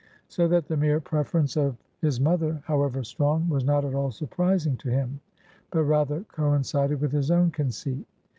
So that the mere preference of his mother, however strong, was not at all surprising to him, but rather coincided with his own conceit.